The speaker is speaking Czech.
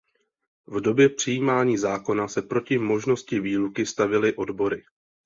V době přijímání zákona se proti možnosti výluky stavěly odbory.